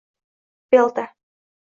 belta